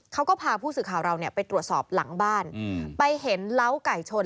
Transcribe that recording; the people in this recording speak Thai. เขาก็พาผู้สื่อข่าวเราเนี่ยไปตรวจสอบหลังบ้านไปเห็นเล้าไก่ชน